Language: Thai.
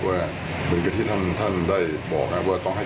เหมือนกับที่ท่านได้บอกนะครับว่าต้องให้